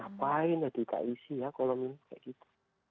apain ya dikaisi ya kalau minta gitu